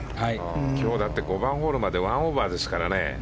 今日だって５番ホールまで１オーバーですからね。